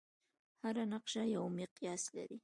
هره نقشه یو مقیاس لري.